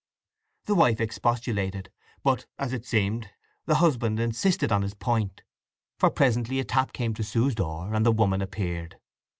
The wife expostulated, but, as it seemed, the husband insisted on his point; for presently a tap came to Sue's door, and the woman appeared.